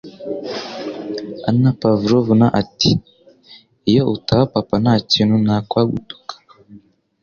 Anna Pavlovna, ati: "Iyo utaba papa ntakintu nakwagutuka."